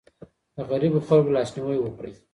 د غريبو خلګو لاسنيوی وکړئ.